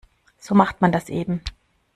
So macht man das eben.